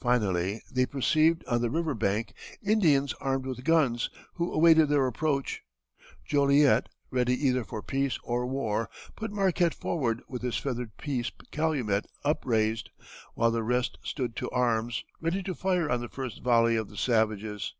Finally they perceived on the river bank Indians armed with guns, who awaited their approach. Joliet, ready either for peace or war, put Marquette forward with his feathered peace calumet upraised, while the rest stood to arms, ready to fire on the first volley of the savages.